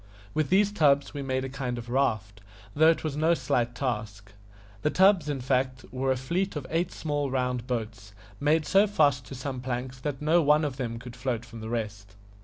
With these tubs we made a kind of raft, though it was no slight task. The tubs, in fact, were a fleet of eight small round boats, made so fast to some planks that no one of them could float from the rest.